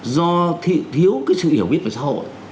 do thiếu cái sự hiểu biết về xã hội